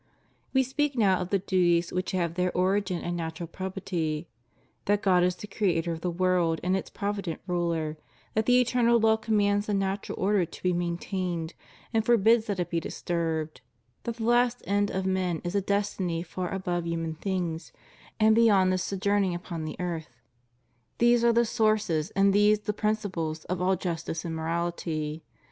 We speak now of the duties which have their origin in natural probity. That God is the Creator of the world and its provident Ruler; that the eternal law commands the natural order to be maintained, and for bids that it be disturbed ; that the last end of men is a destiny far above human things and beyond this sojourn ing upon the earth: these are the sources and these the principles of all justice and morality.